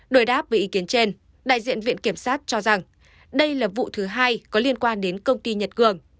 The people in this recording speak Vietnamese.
đổi đáp với ý kiến trên đại diện viện kiểm sát cho rằng đây là vụ thứ hai có liên quan đến công ty nhật cường